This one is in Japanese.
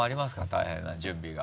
大変な準備が。